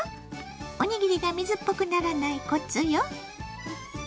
おにぎりが水っぽくならないコツよ。